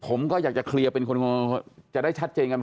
ผมก็อยากจะเคลียร์เป็นคนจะได้ชัดเจนกัน